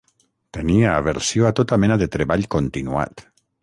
Tenia aversió a tota mena de de treball continuat.